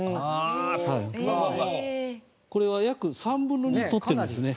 これは約３分の２とってるんですね。